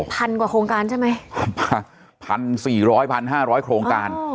พันกว่าโครงการใช่ไหมพันสี่ร้อยพันห้าร้อยโครงการ